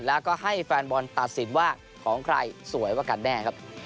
แล้วก็ให้แฟนบอลตัดสินว่าของใครสวยกว่ากันแน่ครับ